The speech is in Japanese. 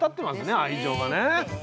愛情がね。